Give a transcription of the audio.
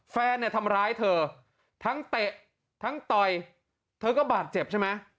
แฟนเนี่ยทำร้ายเธอทั้งเตะทั้งต่อยเธอก็บาดเจ็บใช่ไหม